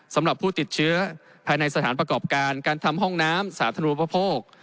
สำหรับผู้ติดเชื้อภายในสถานประกอบการการทำห้องน้ำสาธารณูปโภค